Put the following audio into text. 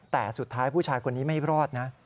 แต่สุดท้ายผู้ชายคนนี้ไม่รอดนะ